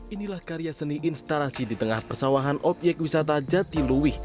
inilah karya seni instalasi di tengah persawahan obyek wisata jatiluwih